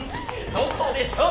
どこでしょう？